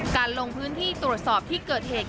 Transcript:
การลงพื้นที่ตรวจสอบที่เกิดเหตุ